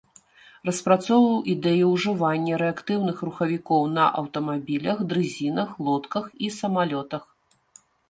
Распрацоўваў ідэю ужывання рэактыўных рухавікоў на аўтамабілях, дрызінах, лодках і самалётах.